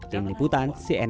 tim liputan cnnn